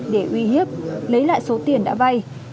để uy hiếp lấy lại số tiền đã vay